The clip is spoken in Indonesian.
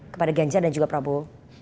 kepada ganjar dan juga prabowo